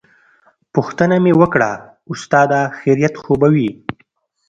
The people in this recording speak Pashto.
پوښتنه مې وکړه استاده خيريت خو به وي.